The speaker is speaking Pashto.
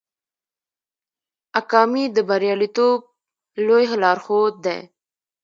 اکامي د بریالیتوب لوی لارښود دی.